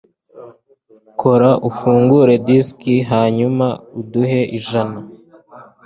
kora ufungure disiki hanyuma uduhe ijana